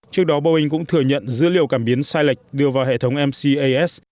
trước đó boeing cũng thừa nhận dữ liệu cảm biến sai lệch đưa vào hệ thống mcas